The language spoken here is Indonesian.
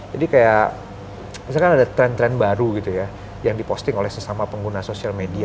jadi kayak misalkan ada tren tren baru gitu ya yang diposting oleh sesama pengguna sosial media